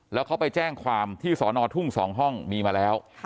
แล้วเขาไปแจ้งความที่สอนอทุ่ง๒ห้องมีมาแล้ว